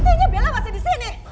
berarti bella masih di sini